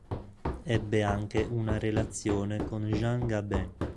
Ebbe anche una relazione con Jean Gabin